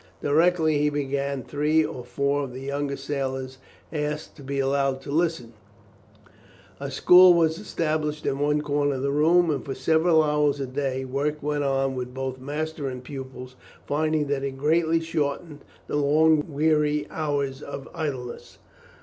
Directly he began three or four of the younger sailors asked to be allowed to listen, a school was established in one corner of the room, and for several hours a day work went on, both master and pupils finding that it greatly shortened the long weary hours of idleness.